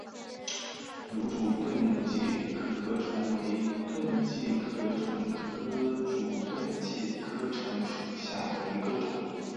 芦竹盾介壳虫为盾介壳虫科竹盾介壳虫属下的一个种。